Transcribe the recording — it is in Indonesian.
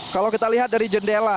kalau kita lihat dari jendela